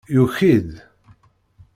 Yuki-d.